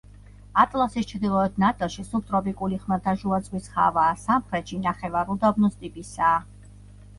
ატლასის ჩრდილოეთ ნაწილში სუბტროპიკული ხმელთაშუა ზღვის ჰავაა, სამხრეთში ნახევარუდაბნოს ტიპისაა.